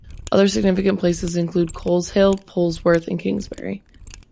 Other significant places include Coleshill, Polesworth and Kingsbury.